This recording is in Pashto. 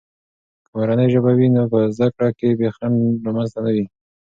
که مورنۍ ژبه وي، نو په زده کړو کې بې خنډ رامنځته نه سي.